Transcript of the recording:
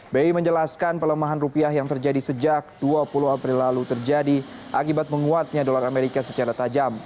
bi menjelaskan pelemahan rupiah yang terjadi sejak dua puluh april lalu terjadi akibat menguatnya dolar amerika secara tajam